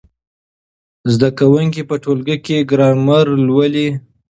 زده کوونکي په ټولګي کې ګرامر لولي.